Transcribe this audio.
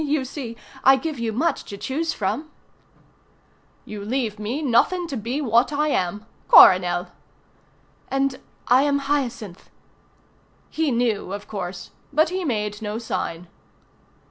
you see, I give you much to choose from." "You leave me nothing to be but what I am Coronel." "And I am Hyacinth." He knew, of course, but he made no sign.